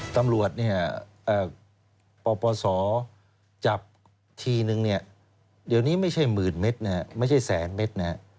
ตำรวจเนี่ยปปศจับทีนึงเนี่ยเดี๋ยวนี้ไม่ใช่หมื่นเมตรนะฮะไม่ใช่แสนเมตรนะฮะ